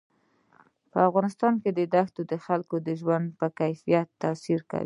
په افغانستان کې دښتې د خلکو د ژوند په کیفیت تاثیر کوي.